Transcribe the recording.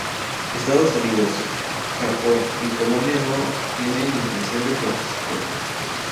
Estados Unidos, Japón y Colombia no tienen intención de participar.